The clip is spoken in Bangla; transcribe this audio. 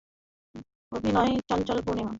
অভিনয় চঞ্চল, পূর্ণিমা।